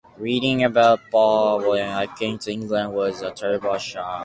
Reading about apartheid when I came to England was a terrible shock.